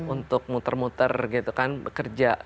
untuk muter muter gitu kan bekerja